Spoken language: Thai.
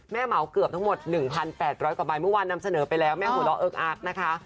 เหมาเกือบทั้งหมด๑๘๐๐กว่าใบเมื่อวานนำเสนอไปแล้วแม่หัวเราะเอิ๊กอักนะคะ